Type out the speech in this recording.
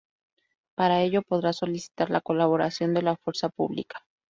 Para ello podrá solicitar la colaboración de la fuerza pública.